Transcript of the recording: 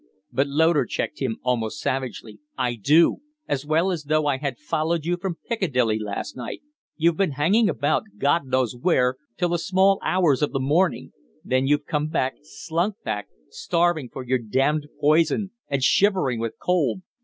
But Loder checked him almost savagely. "I do as well as though I had followed you from Piccadilly last night! You've been hanging about, God knows where, till the small hours of the morning; then you've come back slunk back, starving for your damned poison and shivering with cold.